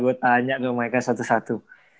buat tanya ke mereka satu satu